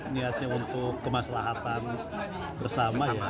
niatnya untuk kemaslahan bersama